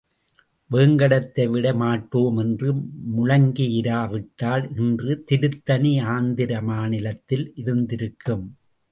வேங்கடத்தை விட மாட்டோம் என்று முழங்கியிரா விட்டால் இன்று திருத்தணி ஆந்திர மாநிலத்தில் இருந்திருக்கும்.